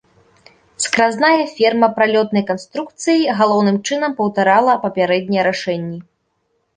Скразная ферма пралётнай канструкцыі галоўным чынам паўтарала папярэднія рашэнні.